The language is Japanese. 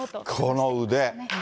この腕。